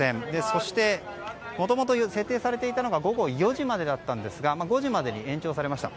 そしてもともと設定されていたのが午後４時までだったんですが５時までに延長されました。